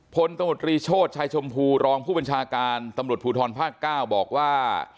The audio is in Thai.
ตมตรีโชธชายชมพูรองผู้บัญชาการตำรวจภูทรภาค๙บอกว่า